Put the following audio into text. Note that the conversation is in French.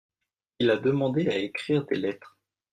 Il a demandé à écrire des lettres.